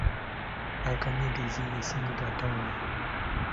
Akanyegezi ye ssenyiga atawona.